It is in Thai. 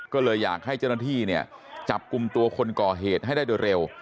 ก็เลยอยากให้เจ้าหน้าที่เนี่ยจับกลุ่มตัวคนก่อเหตุให้ได้โดยเร็ว